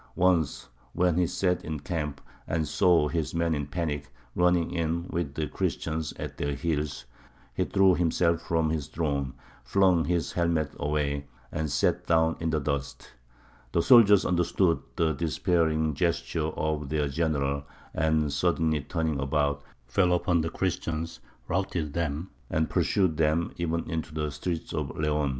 Once, when he sat in camp and saw his men in panic, running in, with the Christians at their heels, he threw himself from his throne, flung his helmet away, and sat down in the dust. The soldiers understood the despairing gesture of their general, and, suddenly turning about, fell upon the Christians, routed them, and pursued them even into the streets of Leon.